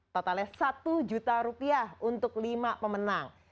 totalnya rp satu juta untuk lima pemenang